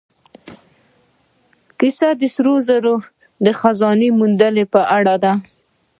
کیسه د سرو زرو د خزانه موندلو په اړه ده.